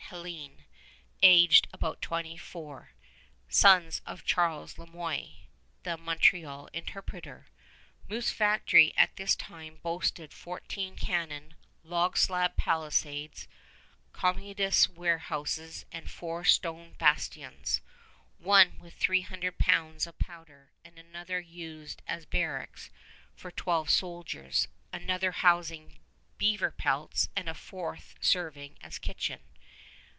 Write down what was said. Hélène, aged about twenty four, sons of Charles Le Moyne, the Montreal interpreter. Moose Factory at this time boasted fourteen cannon, log slab palisades, commodious warehouses, and four stone bastions, one with three thousand pounds of powder, another used as barracks for twelve soldiers, another housing beaver pelts, and a fourth serving as kitchen.